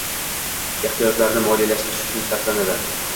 Ehtiyojlarini moliyalashtirish uchun sarflanadi.